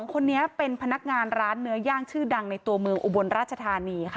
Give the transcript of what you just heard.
คนนี้เป็นพนักงานร้านเนื้อย่างชื่อดังในตัวเมืองอุบลราชธานีค่ะ